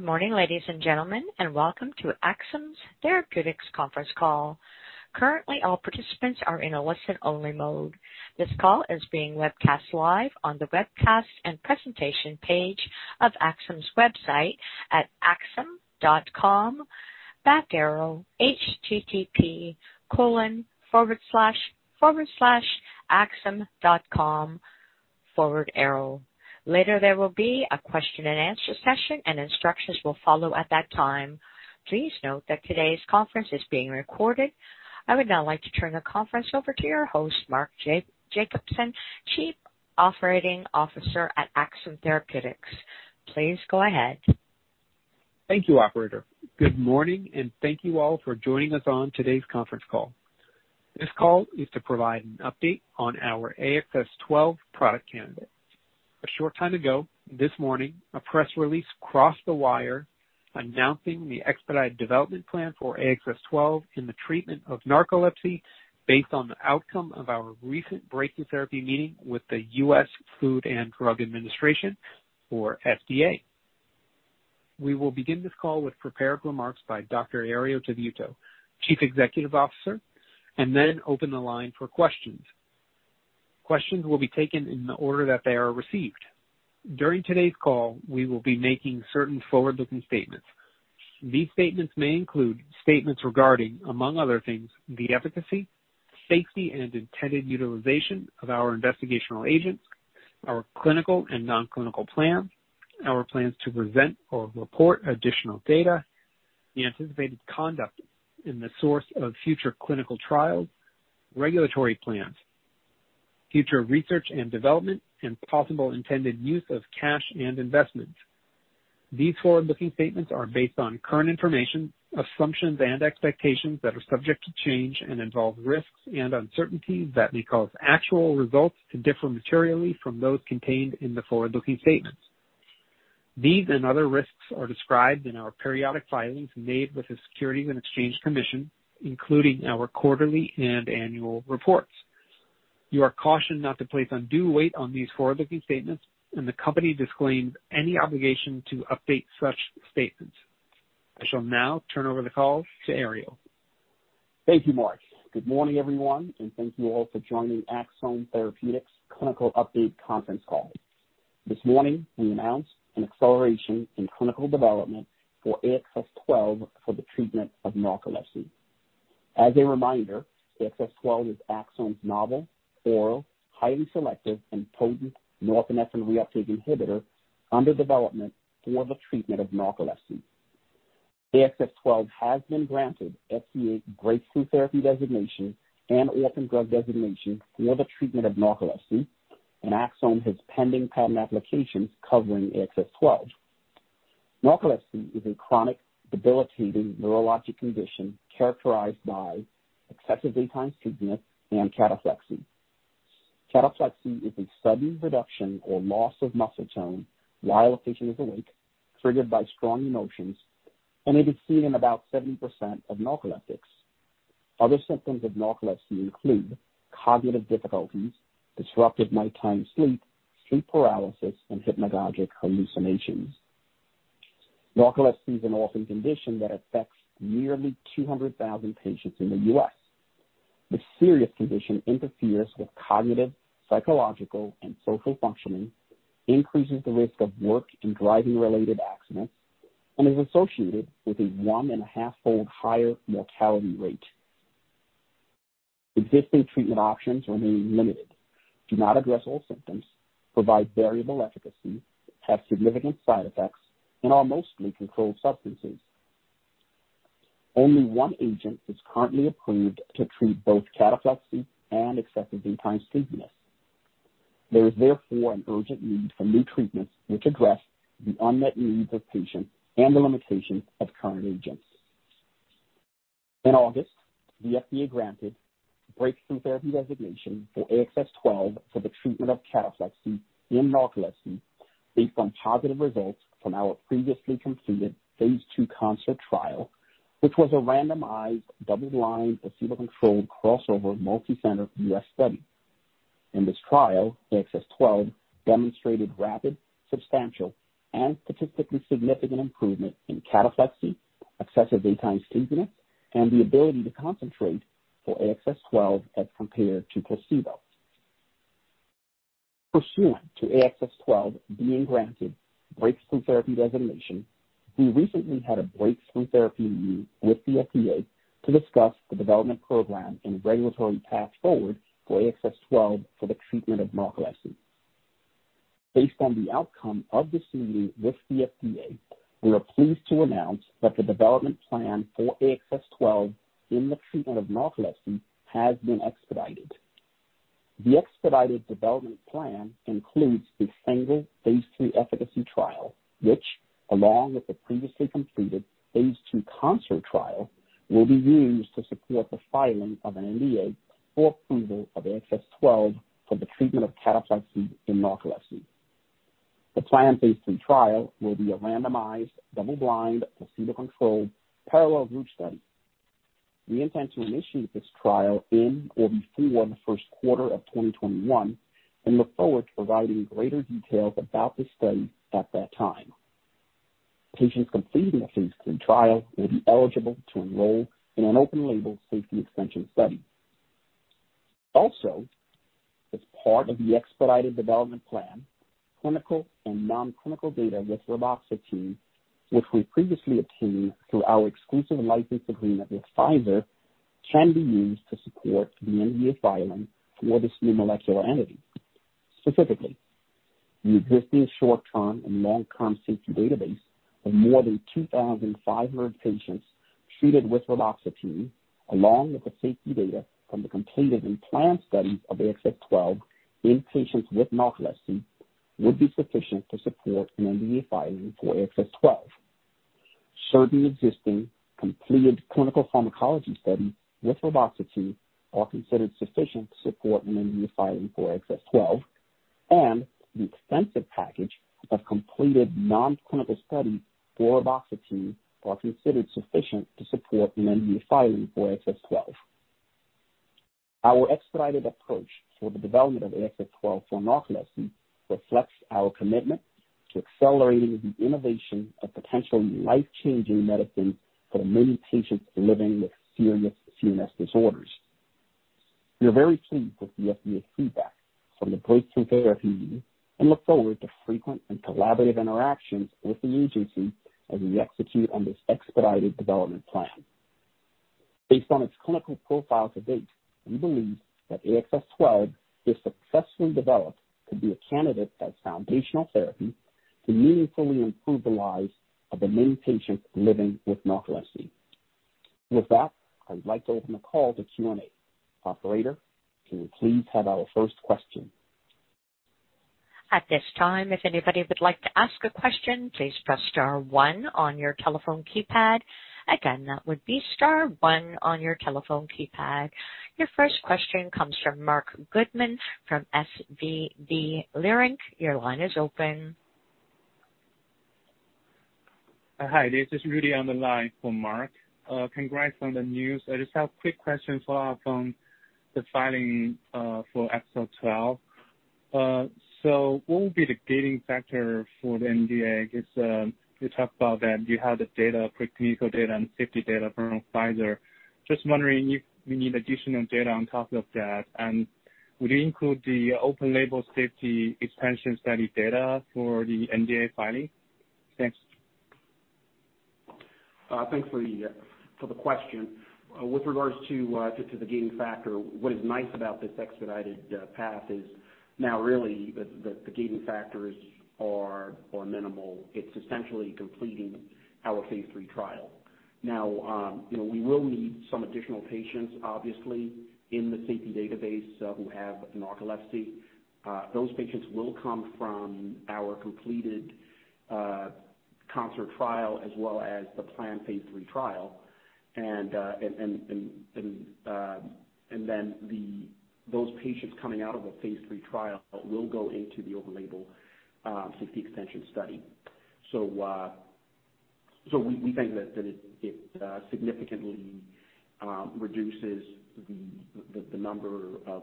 Good morning, ladies and gentlemen, and welcome to Axsome Therapeutics Conference Call. Currently, all participants are in a listen-only mode. This call is being webcast live on the webcasts and presentation page of Axsome's website at axsome.com, back arrow, http://axsome.com, forward arrow. Later, there will be a question and answer session, and instructions will follow at that time. Please note that today's conference is being recorded. I would now like to turn the conference over to your host, Mark Jacobson, Chief Operating Officer at Axsome Therapeutics. Please go ahead. Thank you, operator. Good morning, thank you all for joining us on today's conference call. This call is to provide an update on our AXS-12 product candidate. A short time ago, this morning, a press release crossed the wire announcing the expedited development plan for AXS-12 in the treatment of narcolepsy based on the outcome of our recent Breakthrough Therapy meeting with the U.S. Food and Drug Administration or FDA. We will begin this call with prepared remarks by Dr. Herriot Tabuteau, Chief Executive Officer, then open the line for questions. Questions will be taken in the order that they are received. During today's call, we will be making certain forward-looking statements. These statements may include statements regarding, among other things, the efficacy, safety, and intended utilization of our investigational agents, our clinical and non-clinical plan, our plans to present or report additional data, the anticipated conduct and the source of future clinical trials, regulatory plans, future research and development, and possible intended use of cash and investments. These forward-looking statements are based on current information, assumptions, and expectations that are subject to change and involve risks and uncertainties that may cause actual results to differ materially from those contained in the forward-looking statements. These and other risks are described in our periodic filings made with the Securities and Exchange Commission, including our quarterly and annual reports. You are cautioned not to place undue weight on these forward-looking statements, and the company disclaims any obligation to update such statements. I shall now turn over the call to Herriot. Thank you, Mark. Good morning, everyone, and thank you all for joining Axsome Therapeutics' Clinical Update Conference Call. This morning, we announced an acceleration in clinical development for AXS-12 for the treatment of narcolepsy. As a reminder, AXS-12 is Axsome's novel, oral, highly selective, and potent norepinephrine reuptake inhibitor under development for the treatment of narcolepsy. AXS-12 has been granted FDA's Breakthrough Therapy Designation and Orphan Drug Designation for the treatment of narcolepsy, and Axsome has pending patent applications covering AXS-12. Narcolepsy is a chronic, debilitating neurologic condition characterized by excessive daytime sleepiness and cataplexy. Cataplexy is a sudden reduction or loss of muscle tone while a patient is awake, triggered by strong emotions, and it is seen in about 70% of narcoleptics. Other symptoms of narcolepsy include cognitive difficulties, disruptive nighttime sleep paralysis, and hypnagogic hallucinations. Narcolepsy is an orphan condition that affects nearly 200,000 patients in the U.S. This serious condition interferes with cognitive, psychological, and social functioning, increases the risk of work and driving-related accidents, and is associated with a one-and-a-half-fold higher mortality rate. Existing treatment options remain limited, do not address all symptoms, provide variable efficacy, have significant side effects, and are mostly controlled substances. Only one agent is currently approved to treat both cataplexy and excessive daytime sleepiness. There is therefore an urgent need for new treatments which address the unmet needs of patients and the limitations of current agents. In August, the FDA granted Breakthrough Therapy Designation for AXS-12 for the treatment of cataplexy in narcolepsy based on positive results from our previously completed Phase II CONCERT trial, which was a randomized, double-blind, placebo-controlled, crossover, multi-center U.S. study. In this trial, AXS-12 demonstrated rapid, substantial, and statistically significant improvement in cataplexy, excessive daytime sleepiness, and the ability to concentrate for AXS-12 as compared to placebo. Pursuant to AXS-12 being granted Breakthrough Therapy Designation, we recently had a breakthrough therapy meeting with the FDA to discuss the development program and regulatory path forward for AXS-12 for the treatment of narcolepsy. Based on the outcome of this meeting with the FDA, we are pleased to announce that the development plan for AXS-12 in the treatment of narcolepsy has been expedited. The expedited development plan includes a single Phase III efficacy trial, which along with the previously completed Phase II CONCERT trial, will be used to support the filing of an NDA for approval of AXS-12 for the treatment of cataplexy in narcolepsy. The planned phase III trial will be a randomized, double-blind, placebo-controlled, parallel group study. We intend to initiate this trial in or before the first quarter of 2021 and look forward to providing greater details about the study at that time. Patients completing a phase III trial will be eligible to enroll in an open-label safety extension study. Also, as part of the expedited development plan, clinical and non-clinical data with reboxetine, which we previously obtained through our exclusive license agreement with Pfizer, can be used to support the NDA filing for this new molecular entity. Specifically, the existing short-term and long-term safety database of more than 2,500 patients treated with reboxetine, along with the safety data from the completed and planned studies of AXS-12 in patients with narcolepsy, would be sufficient to support an NDA filing for AXS-12. Certain existing completed clinical pharmacology studies with reboxetine are considered sufficient to support an NDA filing for AXS-12, and the extensive package of completed non-clinical studies for reboxetine are considered sufficient to support an NDA filing for AXS-12. Our expedited approach for the development of AXS-12 for narcolepsy reflects our commitment to accelerating the innovation of potential life-changing medicines for the many patients living with serious CNS disorders. We are very pleased with the FDA's feedback from the Breakthrough Therapy and look forward to frequent and collaborative interactions with the agency as we execute on this expedited development plan. Based on its clinical profile to date, we believe that AXS-12, if successfully developed, could be a candidate as foundational therapy to meaningfully improve the lives of the many patients living with narcolepsy. With that, I'd like to open the call to Q&A. Operator, can we please have our first question? At this time, if anybody would like to ask a question, please press star one on your telephone keypad. Again, that would be star one on your telephone keypad. Your first question comes from Marc Goodman from SVB Leerink. Your line is open. Hi, this is Rudy on the line for Marc. Congrats on the news. I just have quick questions from the filing for AXS-12. What would be the gating factor for the NDA? I guess you talked about that you have the data, preclinical data and safety data from Pfizer. Just wondering if you need additional data on top of that, and would it include the open label safety expansion study data for the NDA filing? Thanks. Thanks for the question. With regards to the gating factor, what is nice about this expedited path is now really the gating factors are minimal. It's essentially completing our phase III trial. We will need some additional patients, obviously, in the safety database who have narcolepsy. Those patients will come from our completed CONCERT trial as well as the planned phase III trial. Those patients coming out of the phase III trial will go into the open label safety extension study. We think that it significantly reduces the number of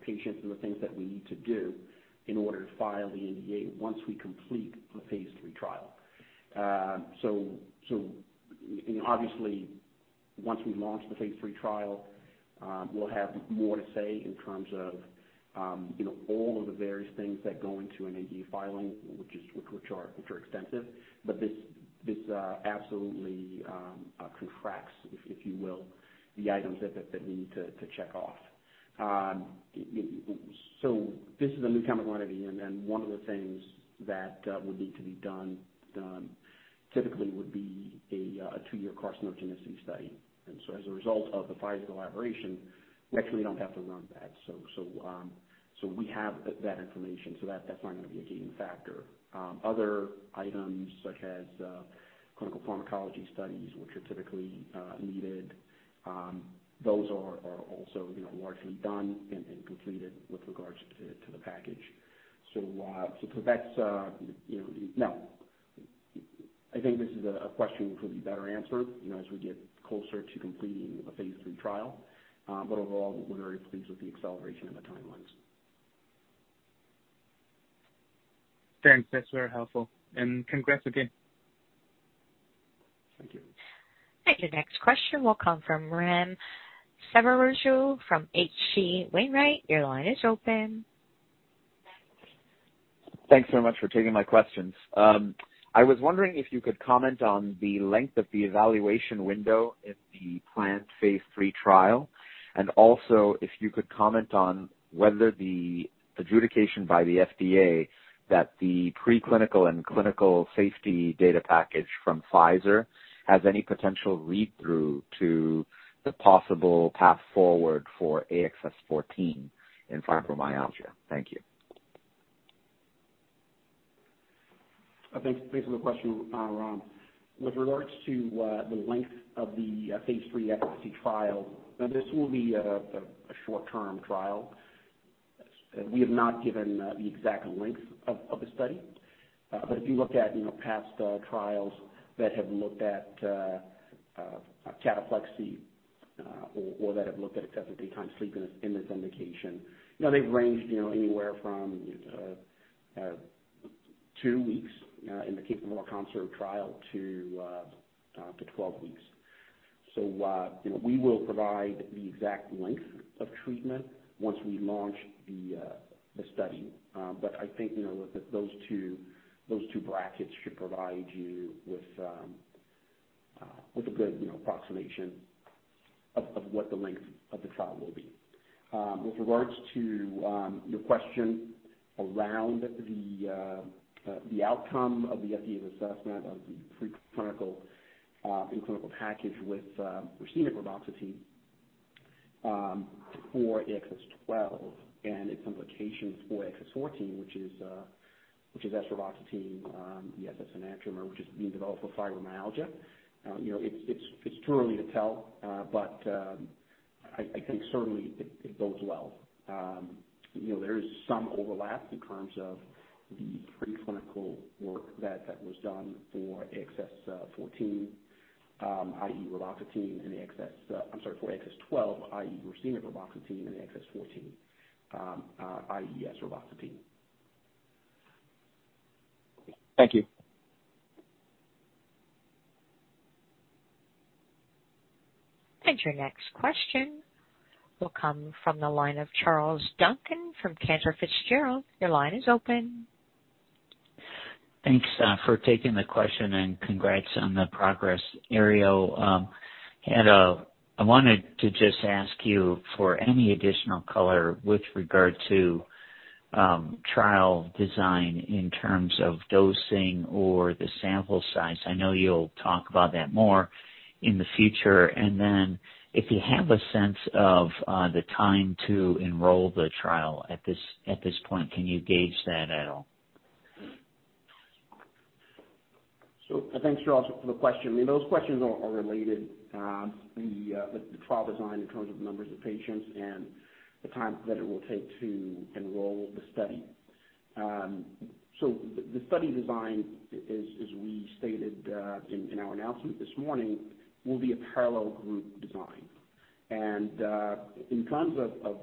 patients and the things that we need to do in order to file the NDA once we complete the phase III trial. Obviously, once we launch the phase III trial, we'll have more to say in terms of all of the various things that go into an NDA filing, which are extensive. This absolutely contracts, if you will, the items that we need to check off. This is a new chemical entity, one of the things that would need to be done typically would be a two-year carcinogenicity study. As a result of the Pfizer collaboration, we actually don't have to run that. We have that information, so that's not going to be a gating factor. Other items, such as clinical pharmacology studies, which are typically needed, those are also largely done and completed with regards to the package. For VEXA, I think this is a question which will be better answered as we get closer to completing the phase III trial. Overall, we're very pleased with the acceleration of the timelines. Thanks. That's very helpful. Congrats again. Thank you. Your next question will come from Raghuram Selvaraju from H.C. Wainwright. Your line is open. Thanks very much for taking my questions. I was wondering if you could comment on the length of the evaluation window in the planned phase III trial, and also if you could comment on whether the adjudication by the FDA that the preclinical and clinical safety data package from Pfizer has any potential read-through to the possible path forward for AXS-14 in fibromyalgia. Thank you. Thanks for the question, Ram. With regards to the length of the phase III AXS-12 trial, this will be a short-term trial. We have not given the exact length of the study. If you look at past trials that have looked at cataplexy or that have looked at excessive daytime sleepiness in this indication. They've ranged anywhere from two weeks in the case of our CONCERT trial to 12 weeks. We will provide the exact length of treatment once we launch the study. I think those two brackets should provide you with a good approximation of what the length of the trial will be. With regards to your question around the outcome of the FDA's assessment of the preclinical and clinical package with racemic reboxetine for AXS-12 and its implications for AXS-14, which is esreboxetine, the S,S-enantiomer, which is being developed for fibromyalgia, it's too early to tell. I think certainly it bodes well. There is some overlap in terms of the preclinical work that was done for AXS-14, i.e., racemic reboxetine, I'm sorry, for AXS-12, i.e., racemic reboxetine, and AXS-14, i.e., esreboxetine. Thank you. Your next question will come from the line of Charles Duncan from Cantor Fitzgerald. Your line is open. Thanks for taking the question and congrats on the progress, Herriot. I wanted to just ask you for any additional color with regard to trial design in terms of dosing or the sample size. I know you'll talk about that more in the future. If you have a sense of the time to enroll the trial at this point, can you gauge that at all? Thanks, Charles, for the question. Those questions are related. The trial design in terms of numbers of patients and the time that it will take to enroll the study. The study design as we stated in our announcement this morning, will be a parallel group design. In terms of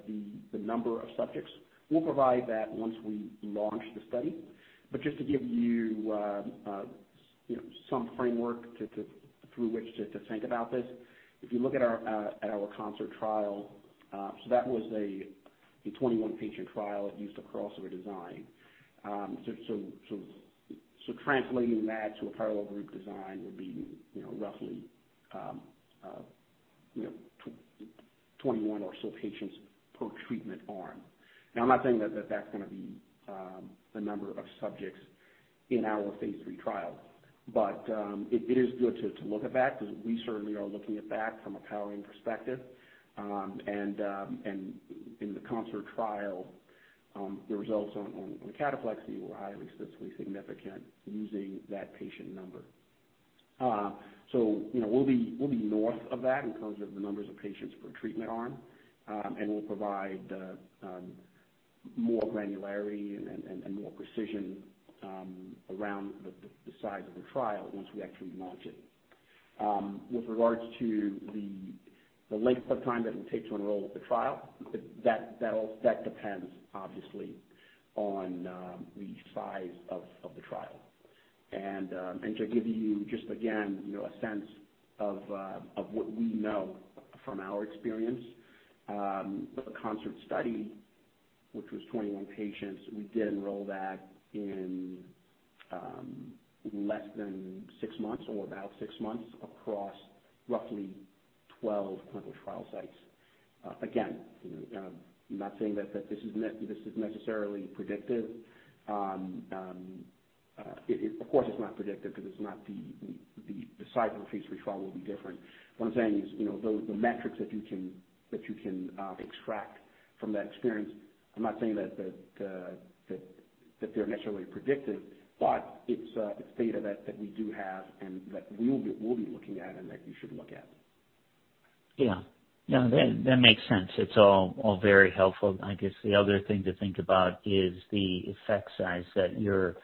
the number of subjects, we'll provide that once we launch the study. Just to give you some framework through which to think about this. If you look at our CONCERT trial, that was a 21 patient trial. It used a crossover design. Translating that to a parallel group design would be roughly 21 or so patients per treatment arm. I'm not saying that's going to be the number of subjects in our phase III trial. It is good to look at that because we certainly are looking at that from a powering perspective. In the CONCERT trial, the results on the cataplexy were highly statistically significant using that patient number. We'll be north of that in terms of the numbers of patients per treatment arm. We'll provide more granularity and more precision around the size of the trial once we actually launch it. With regards to the length of time that it'll take to enroll the trial, that depends, obviously, on the size of the trial. To give you just again, a sense of what we know from our experience. The CONCERT study, which was 21 patients, we did enroll that in less than six months or about six months across roughly 12 clinical trial sites. Again, I'm not saying that this is necessarily predictive. Of course, it's not predictive because the size of the phase III trial will be different. What I'm saying is, the metrics that you can extract from that experience, I'm not saying that they're necessarily predictive, but it's data that we do have and that we'll be looking at, and that you should look at. Yeah. That makes sense. It's all very helpful. I guess the other thing to think about is the effect size that you're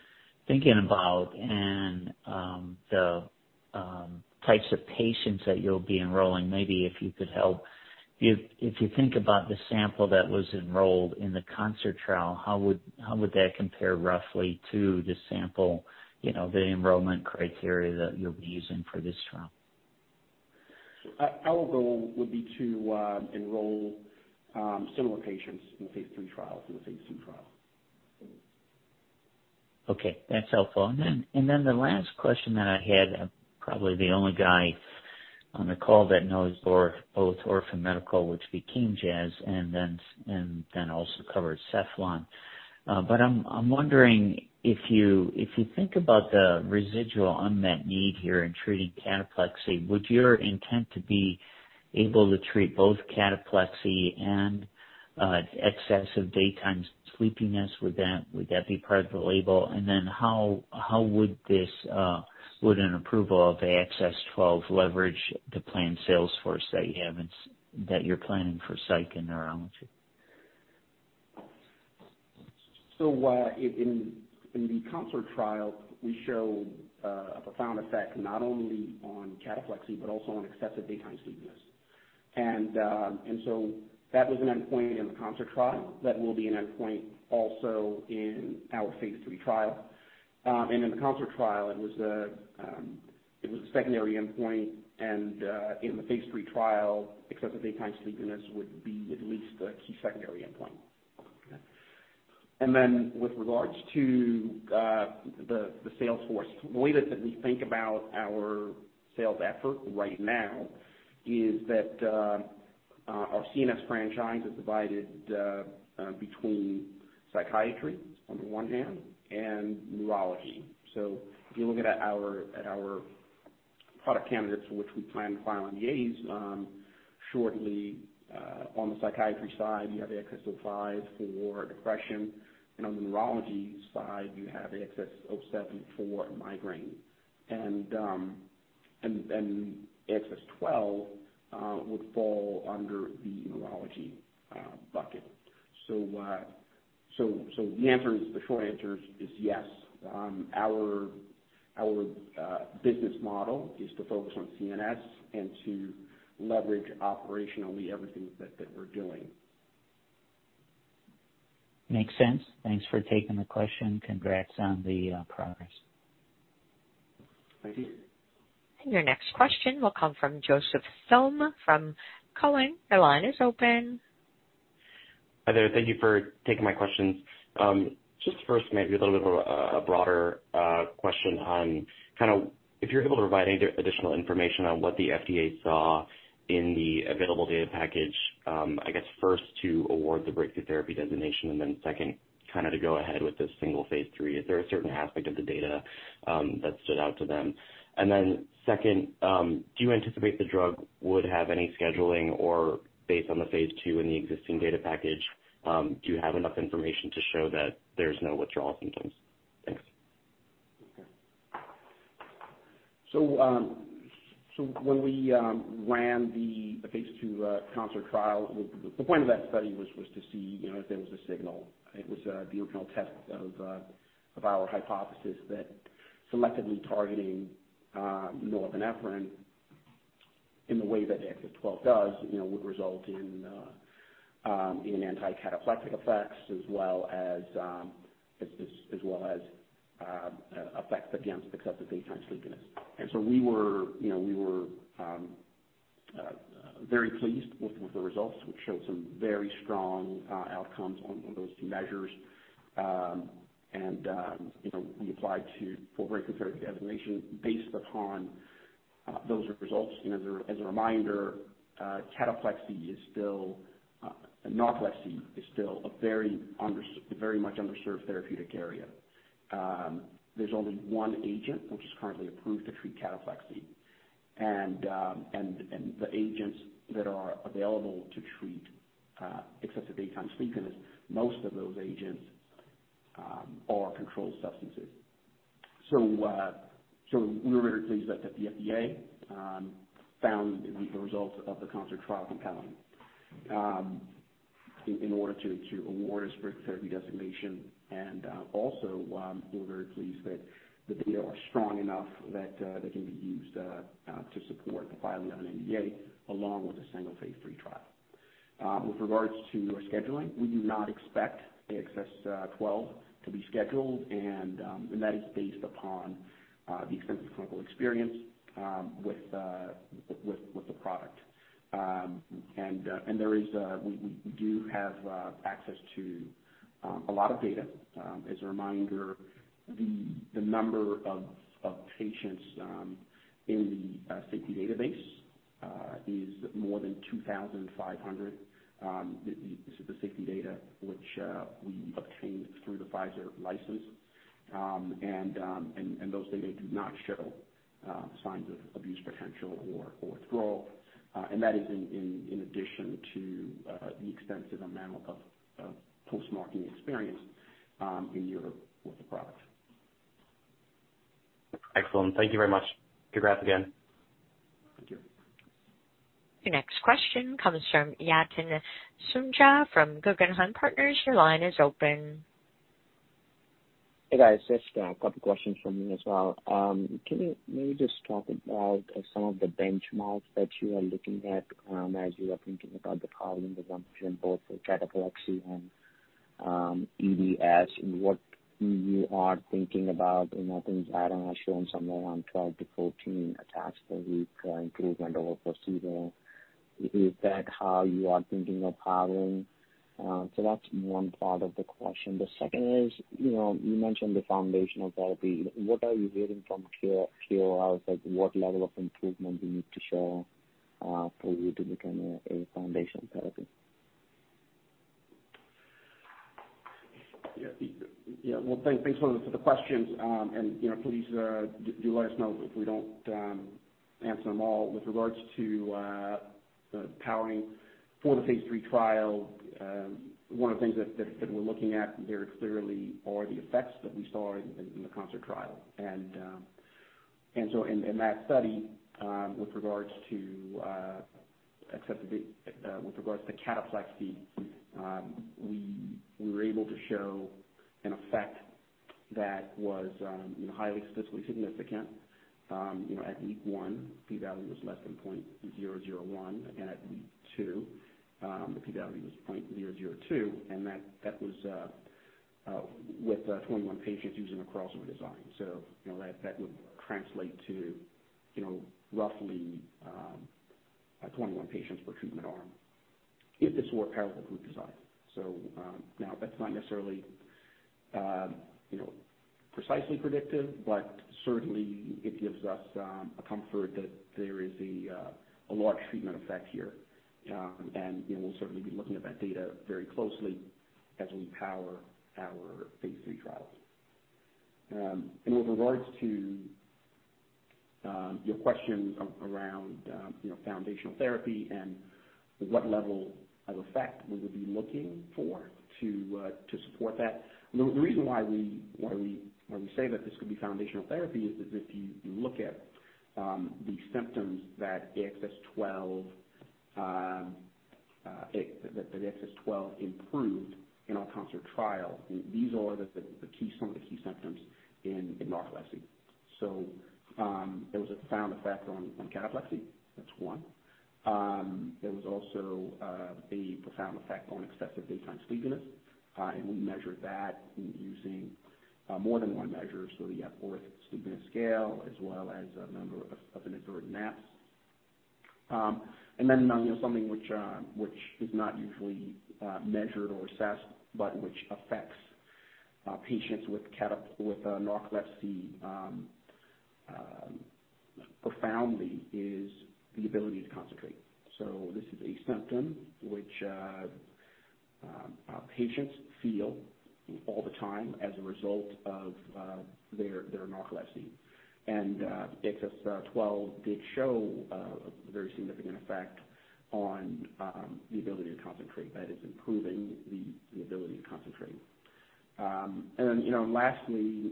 thinking about and the types of patients that you'll be enrolling. Maybe if you could help. If you think about the sample that was enrolled in the CONCERT trial, how would that compare roughly to the sample, the enrollment criteria that you'll be using for this trial? Our goal would be to enroll similar patients in the phase III trial to the phase II trial. Okay, that's helpful. The last question that I had, I'm probably the only guy on the call that knows both Orphan Medical, which became Jazz, and also covers Cephalon. I'm wondering if you think about the residual unmet need here in treating cataplexy, would your intent to be able to treat both cataplexy and excessive daytime sleepiness, would that be part of the label? How would an approval of AXS-12 leverage the planned sales force that you're planning for psych and neurology? In the CONCERT trial, we showed a profound effect not only on cataplexy but also on excessive daytime sleepiness. That was an endpoint in the CONCERT trial. That will be an endpoint also in our phase III trial. In the CONCERT trial, it was a secondary endpoint, and in the phase III trial, excessive daytime sleepiness would be at least a key secondary endpoint. Okay. With regards to the sales force, the way that we think about our sales effort right now is that our CNS franchise is divided between psychiatry on the one hand and neurology. If you look at our product candidates for which we plan to file NDAs shortly, on the psychiatry side, you have AXS-05 for depression. On the neurology side, you have AXS-07 for migraine. AXS-12 would fall under the neurology bucket. The short answer is yes. Our business model is to focus on CNS and to leverage operationally everything that we're doing. Makes sense. Thanks for taking the question. Congrats on the progress. Thank you. Your next question will come from Joseph Thome from Cowen. Your line is open. Hi there. Thank you for taking my questions. First, maybe a little bit of a broader question on if you're able to provide any additional information on what the FDA saw in the available data package, I guess first to award the Breakthrough Therapy designation and then second, to go ahead with this single phase III. Is there a certain aspect of the data that stood out to them? Second, do you anticipate the drug would have any scheduling or based on the phase II in the existing data package, do you have enough information to show that there's no withdrawal symptoms? Thanks. When we ran the phase II CONCERT trial, the point of that study was to see if there was a signal. It was the original test of our hypothesis that selectively targeting norepinephrine in the way that AXS-12 does would result in anti-cataplexic effects as well as effects against excessive daytime sleepiness. We were very pleased with the results, which showed some very strong outcomes on those two measures. We applied for Breakthrough Therapy designation based upon those results. As a reminder, narcolepsy is still a very much underserved therapeutic area. There's only one agent which is currently approved to treat cataplexy. The agents that are available to treat excessive daytime sleepiness, most of those agents are controlled substances. We were very pleased that the FDA found the results of the CONCERT trial compelling in order to award us Breakthrough Therapy designation, and also we're very pleased that the data are strong enough that they can be used to support the filing of an NDA, along with a single phase III trial. With regards to scheduling, we do not expect AXS-12 to be scheduled, and that is based upon the extensive clinical experience with the product. We do have access to a lot of data. As a reminder, the number of patients in the safety database is more than 2,500. This is the safety data which we obtained through the Pfizer license. Those data do not show signs of abuse potential or withdrawal. That is in addition to the extensive amount of post-marketing experience in Europe with the product. Excellent. Thank you very much. Congrats again. Thank you. Your next question comes from Yatin Suneja from Guggenheim Partners. Your line is open. Hey, guys. Just a couple questions from me as well. Can you maybe just talk about some of the benchmarks that you are looking at as you are thinking about the powering assumption both for cataplexy and EDS and what you are thinking about? I think Adam has shown somewhere around 12-14 attacks per week improvement over placebo. Is that how you are thinking of powering? That's one part of the question. The second is, you mentioned the foundational therapy. What are you hearing from KOLs, like, what level of improvement do you need to show for you to become a foundational therapy? Yeah. Well, thanks for the questions. Please do let us know if we don't answer them all. With regards to the powering for the phase III trial, one of the things that we're looking at very clearly are the effects that we saw in the CONCERT trial. In that study, with regards to cataplexy, we were able to show an effect that was highly statistically significant. At week one, P value was less than 0.001, and at week two, the P value was 0.002, and that was with 21 patients using a crossover design. That would translate to roughly 21 patients per treatment arm if this were a parallel group design. Now, that's not necessarily precisely predictive, but certainly it gives us a comfort that there is a large treatment effect here. We'll certainly be looking at that data very closely as we power our phase III trials. With regards to your question around foundational therapy and what level of effect we would be looking for to support that. The reason why we say that this could be foundational therapy is that if you look at the symptoms that AXS-12 improved in our CONCERT trial, these are some of the key symptoms in narcolepsy. There was a profound effect on cataplexy. That's one. There was also a profound effect on excessive daytime sleepiness, and we measured that using more than one measure, so the Epworth Sleepiness Scale, as well as a number of inadvertent naps. Something which is not usually measured or assessed, but which affects patients with narcolepsy profoundly, is the ability to concentrate. This is a symptom which patients feel all the time as a result of their narcolepsy. AXS-12 did show a very significant effect on the ability to concentrate, that is, improving the ability to concentrate. Lastly,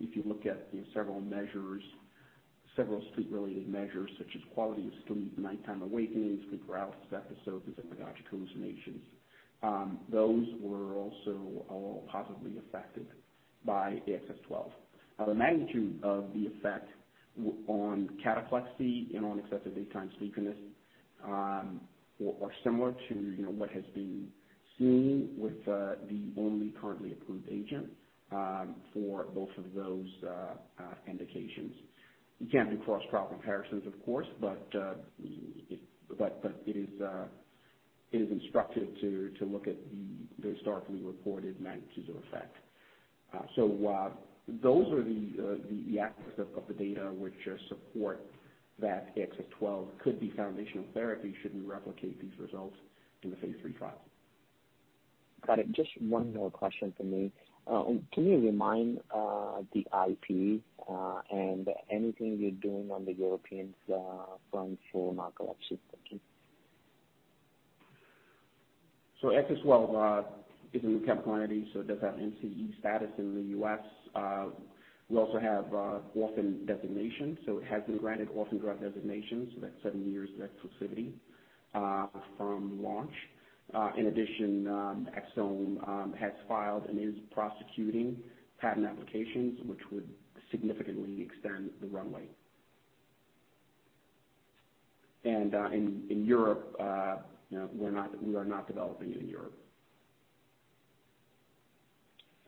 if you look at several sleep-related measures such as quality of sleep, nighttime awakenings, sleep arousal episodes, and hypnagogic hallucinations, those were also all positively affected by AXS-12. The magnitude of the effect on cataplexy and on excessive daytime sleepiness are similar to what has been seen with the only currently approved agent for both of those indications. You can't do cross comparison, of course, but it is instructive to look at the historically reported magnitudes of effect. Those are the aspects of the data which support that AXS-12 could be foundational therapy should we replicate these results in the phase III trial. Got it. Just one more question from me. Can you remind the IP and anything you're doing on the European front for narcolepsy? Thank you. AXS-12 is a new chemical entity, so it does have NCE status in the U.S. We also have Orphan Designation. It has been granted Orphan Drug Designation, so that's seven years of exclusivity from launch. In addition, Axsome has filed and is prosecuting patent applications which would significantly extend the runway. In Europe, we are not developing it in Europe.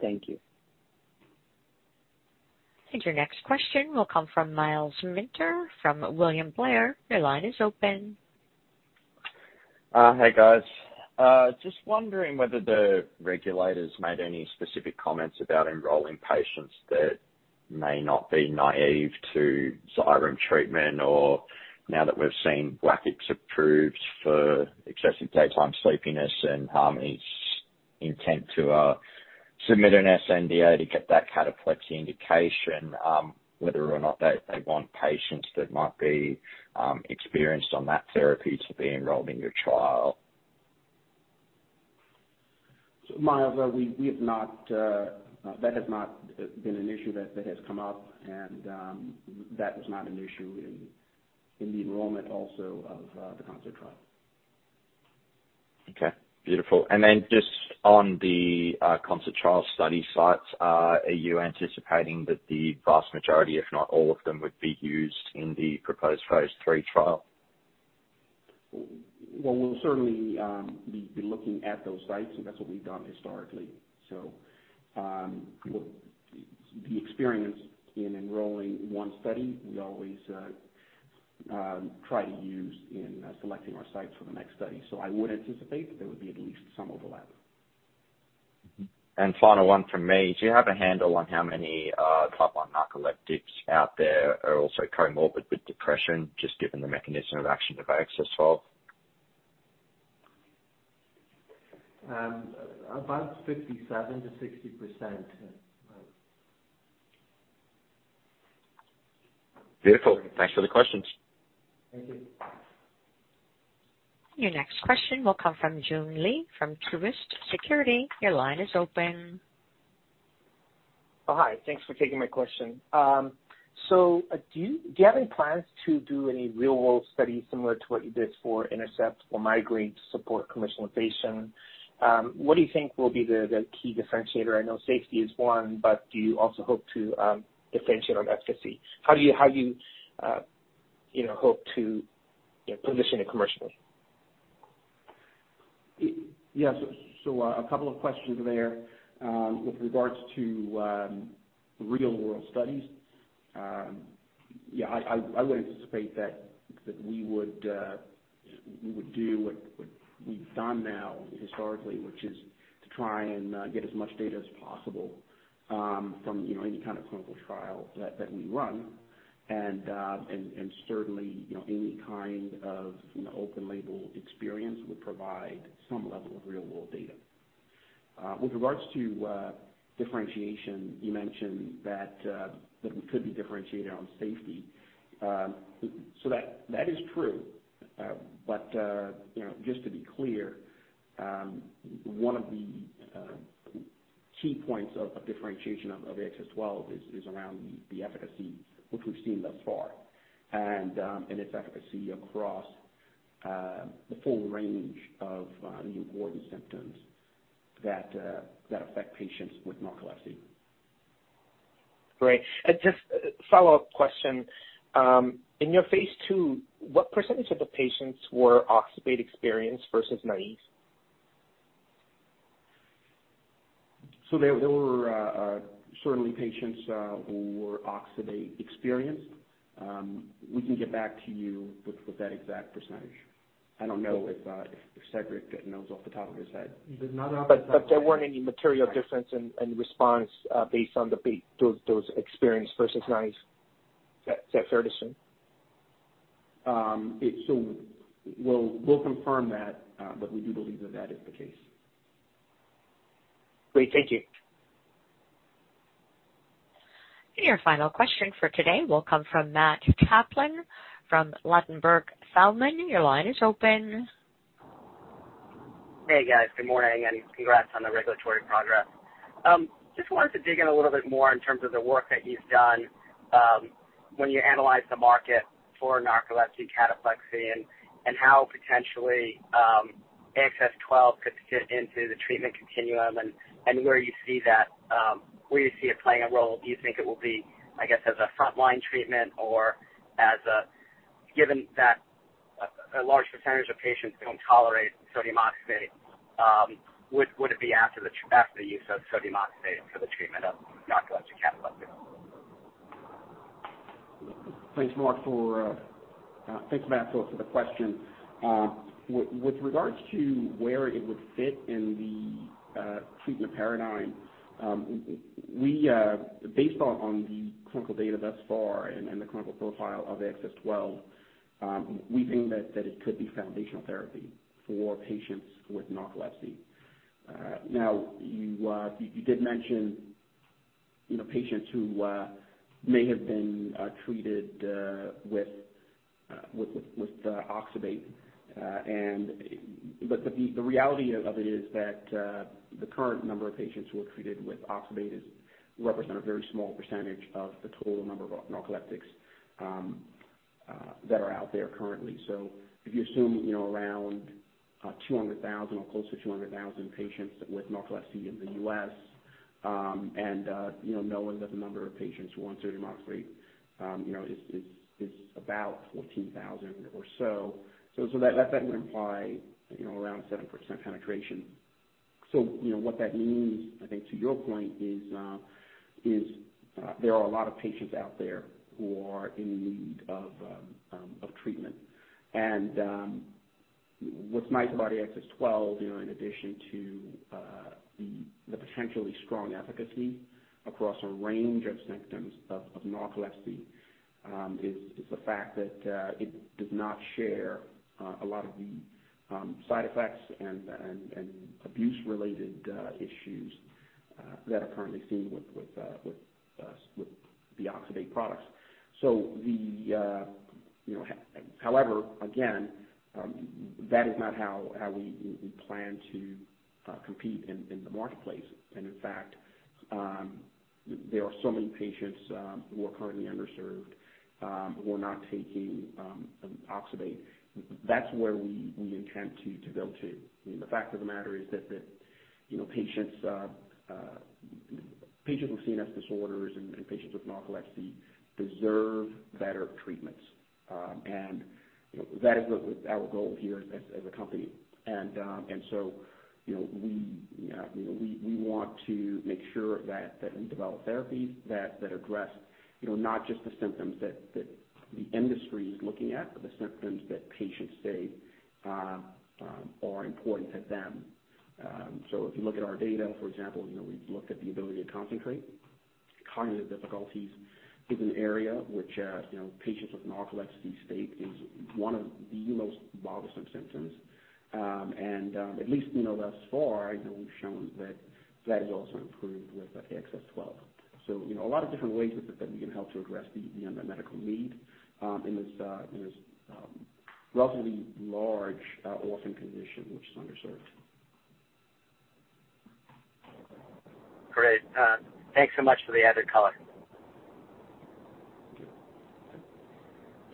Thank you. Your next question will come from Myles Minter from William Blair. Your line is open. Hey, guys. Just wondering whether the regulators made any specific comments about enrolling patients that may not be naïve to XYREM treatment, or now that we've seen WAKIX approved for excessive daytime sleepiness and Harmony's intent to submit an sNDA to get that cataplexy indication, whether or not they want patients that might be experienced on that therapy to be enrolled in your trial. Myles, that has not been an issue that has come up and that was not an issue in the enrollment also of the CONCERT trial. Just on the CONCERT trial study sites, are you anticipating that the vast majority, if not all of them, would be used in the proposed phase III trial? We'll certainly be looking at those sites, and that's what we've done historically. The experience in enrolling one study, we always try to use in selecting our sites for the next study. I would anticipate that there would be at least some overlap. Final one from me. Do you have a handle on how many type one narcoleptics out there are also comorbid with depression, just given the mechanism of action of AXS-12? About 57%-60%. Beautiful. Thanks for the questions. Thank you. Your next question will come from Joon Lee from Truist Securities. Your line is open. Oh, hi. Thanks for taking my question. Do you have any plans to do any real-world studies similar to what you did for INTERCEPT or migraine to support commercialization? What do you think will be the key differentiator? I know safety is one. Do you also hope to differentiate on efficacy? How do you hope to position it commercially? Yes. A couple of questions there. With regards to real-world studies, yeah, I would anticipate that we would do what we've done now historically, which is to try and get as much data as possible from any kind of clinical trial that we run. Certainly, any kind of open label experience would provide some level of real-world data. With regards to differentiation, you mentioned that we could be differentiated on safety. That is true. Just to be clear, one of the key points of differentiation of AXS-12 is around the efficacy which we've seen thus far, and its efficacy across the full range of the important symptoms that affect patients with narcolepsy. Great. Just a follow-up question. In your phase II, what percentage of the patients were oxybate-experienced versus naive? There were certainly patients who were oxybate experienced. We can get back to you with that exact percentage. I don't know if Cedric knows off the top of his head. There's not. There weren't any material difference in response based on those experienced versus naive. Is that fair to assume? We'll confirm that, but we do believe that is the case. Great. Thank you. Your final question for today will come from Matthew Kaplan from Ladenburg Thalmann. Your line is open. Hey, guys. Good morning, and congrats on the regulatory progress. Just wanted to dig in a little bit more in terms of the work that you've done when you analyze the market for narcolepsy, cataplexy, and how potentially AXS-12 could fit into the treatment continuum and where you see it playing a role. Do you think it will be, I guess, as a frontline treatment or, given that a large percentage of patients don't tolerate sodium oxybate, would it be after the use of sodium oxybate for the treatment of narcolepsy, cataplexy? Thanks, Matt, for the question. With regards to where it would fit in the treatment paradigm, based on the clinical data thus far and the clinical profile of AXS-12, we think that it could be foundational therapy for patients with narcolepsy. You did mention patients who may have been treated with oxybate. The reality of it is that the current number of patients who are treated with oxybate represent a very small percentage of the total number of narcoleptics that are out there currently. If you assume around 200,000 or close to 200,000 patients with narcolepsy in the U.S., and knowing that the number of patients who are on sodium oxybate is about 14,000 or so. That would imply around 7% penetration. What that means, I think to your point is, there are a lot of patients out there who are in need of treatment. What's nice about AXS-12, in addition to the potentially strong efficacy across a range of symptoms of narcolepsy, is the fact that it does not share a lot of the side effects and abuse-related issues that are currently seen with the oxybate products. However, again, that is not how we plan to compete in the marketplace. In fact, there are so many patients who are currently underserved who are not taking oxybate. That's where we intend to go to. The fact of the matter is that patients with CNS disorders and patients with narcolepsy deserve better treatments. That is our goal here as a company. We want to make sure that we develop therapies that address not just the symptoms that the industry is looking at, but the symptoms that patients say are important to them. If you look at our data, for example, we've looked at the ability to concentrate. Cognitive difficulties is an area which patients with narcolepsy state is one of the most bothersome symptoms. At least we know thus far, we've shown that is also improved with AXS-12. A lot of different ways that we can help to address the unmet medical need in this relatively large orphan condition which is underserved. Great. Thanks so much for the added color.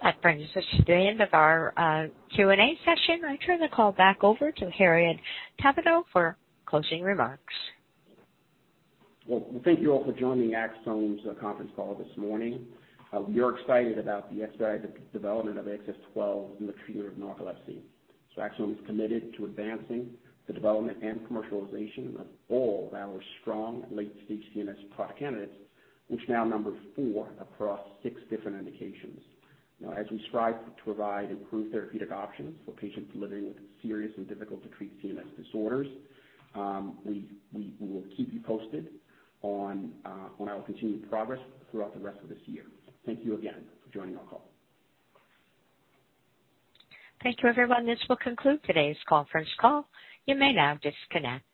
That brings us to the end of our Q&A session. I turn the call back over to Herriot Tabuteau for closing remarks. Well, thank you all for joining Axsome's conference call this morning. We are excited about the development of AXS-12 in the treatment of narcolepsy. Axsome is committed to advancing the development and commercialization of all our strong late-stage CNS product candidates, which now number four across six different indications. As we strive to provide improved therapeutic options for patients living with serious and difficult-to-treat CNS disorders, we will keep you posted on our continued progress throughout the rest of this year. Thank you again for joining our call. Thank you, everyone. This will conclude today's conference call. You may now disconnect.